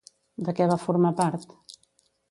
De què va formar part?